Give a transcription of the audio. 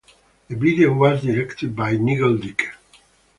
The video was directed by Nigel Dick.